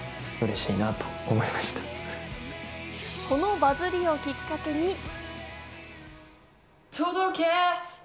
このバズりをきっかけに。